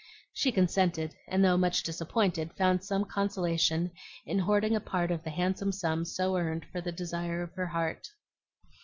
She consented, and though much disappointed found some consolation in hoarding a part of the handsome sum so earned for the desire of her heart.